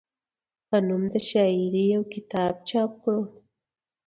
پۀ نوم د شاعرۍ يو کتاب چاپ کړو،